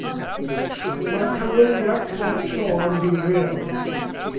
Mae'r canlyniad bob tro yn rhif real.